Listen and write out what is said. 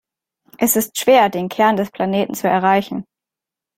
Es ist schwer, den Kern des Planeten zu erreichen.